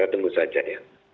kita tunggu saja ya